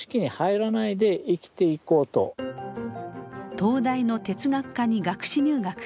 東大の哲学科に学士入学。